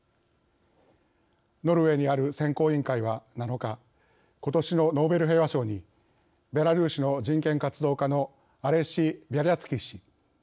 ノルウェーにある選考委員会は７日今年のノーベル平和賞にベラルーシの人権活動家のアレシ・ビャリャツキ氏